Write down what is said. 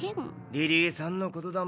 リリーさんのことだんべ。